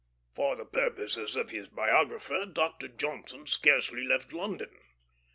For the purposes of his biographer, Dr. Johnson scarcely left London.